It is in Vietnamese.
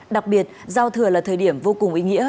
đặc biệt giao thừa là thời điểm vô cùng ý nghĩa